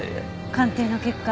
鑑定の結果